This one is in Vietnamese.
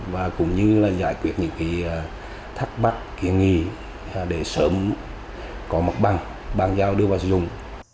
và cũng như là giải quyết những thắc mắc kiến nghị để sớm có mặt bằng bàn giao đưa vào sử dụng